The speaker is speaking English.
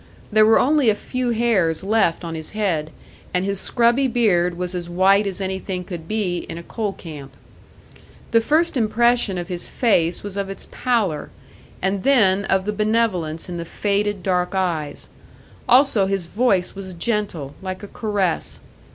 There were only a few hairs left on his head, and his scrubby beard was as white as anything could be in a coal camp. The first impression of his face was of its pallor, and then of the benevolence in the faded dark eyes; also his voice was gentle, like a caress.